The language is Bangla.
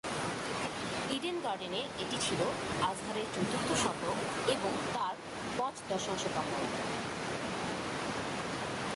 ইডেন গার্ডেনে এটি ছিল আজহারের চতুর্থ শতক এবং তাঁর পঁচদশাংশতম।